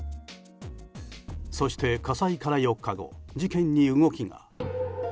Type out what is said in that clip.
そして、火災から４日後事件に動きが。